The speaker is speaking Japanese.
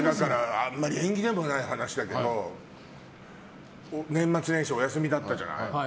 あんまり縁起良くない話だけど年末年始お休みだったじゃない。